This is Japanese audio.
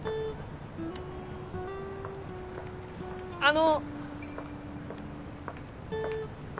あの。